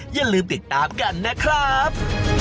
อย่าลืมติดตามกันนะครับ